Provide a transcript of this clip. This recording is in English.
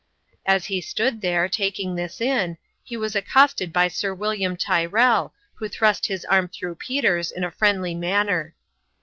As he stood there, taking this in, he was ac costed by Sir William Tyrrell, who thrust his arm through Peter's in a friendly manner.